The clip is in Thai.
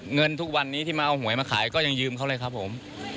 เงินทุกวันนี้ที่มาเอาหวยมาขายก็ยังยืมเขาเลยครับผม